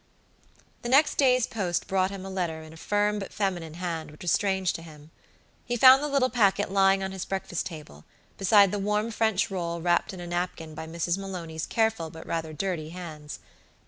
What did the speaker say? The next day's post brought him a letter in a firm but feminine hand, which was strange to him. He found the little packet lying on his breakfast table, beside the warm French roll wrapped in a napkin by Mrs. Maloney's careful but rather dirty hands.